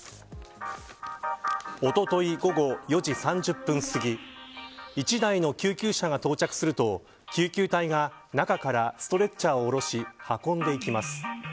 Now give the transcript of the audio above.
おととい午後４時３０分すぎ１台の救急車が到着すると救急隊が中からストレッチャーを下ろし運んできます。